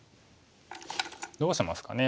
どうしますかね。